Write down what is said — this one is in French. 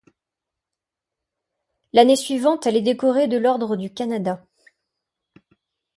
L'année suivante, elle est décorée de l'Ordre du Canada.